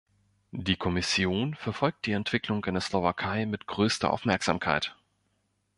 Die Kommission verfolgt die Entwicklung in der Slowakei mit größter Aufmerksamkeit.